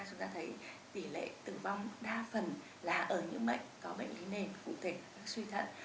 chúng ta thấy tỷ lệ tử vong đa phần là ở những bệnh có bệnh lý nền cụ thể các suy thận